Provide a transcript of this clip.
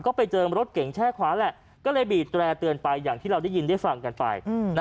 ก็ไปเจอรถเก่งแช่ขวาแหละก็เลยบีดแตร่เตือนไปอย่างที่เราได้ยินได้ฟังกันไป